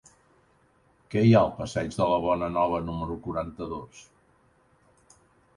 Què hi ha al passeig de la Bonanova número quaranta-dos?